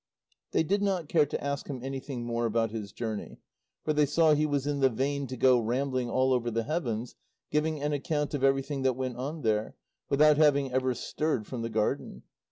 They did not care to ask him anything more about his journey, for they saw he was in the vein to go rambling all over the heavens giving an account of everything that went on there, without having ever stirred from the garden.